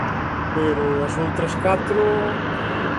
Pero as outras catro...